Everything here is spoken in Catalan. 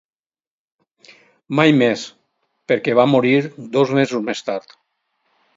Mai més, perquè va morir dos mesos més tard.